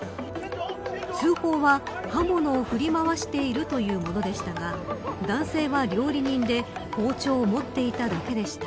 通報は、刃物を振り回しているというものでしたが男性は料理人で包丁を持っていただけでした。